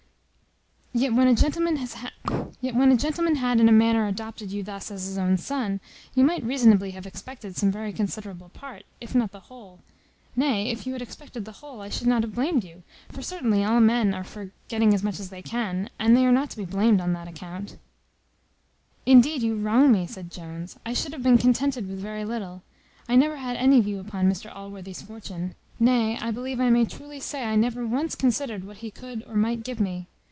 Yet when a gentleman had in a manner adopted you thus as his own son, you might reasonably have expected some very considerable part, if not the whole; nay, if you had expected the whole, I should not have blamed you: for certainly all men are for getting as much as they can, and they are not to be blamed on that account." "Indeed you wrong me," said Jones; "I should have been contented with very little: I never had any view upon Mr Allworthy's fortune; nay, I believe I may truly say, I never once considered what he could or might give me.